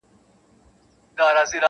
یار اوسېږمه په ښار نا پرسان کي,